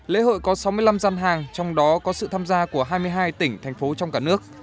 lễ hội có sáu mươi năm gian hàng trong đó có sự tham gia của hai mươi hai tỉnh thành phố trong cả nước